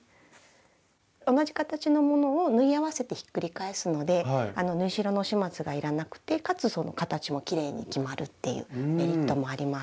同じ形のものを縫い合わせてひっくり返すので縫い代の始末がいらなくてかつ形もきれいに決まるっていうメリットもあります。